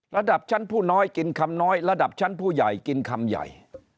ระดับชั้นผู้น้อยกินคำน้อยระดับชั้นผู้ใหญ่กินคำใหญ่